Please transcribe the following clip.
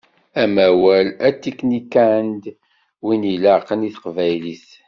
Amawal atiknikand win ilaqen i teqbaylit.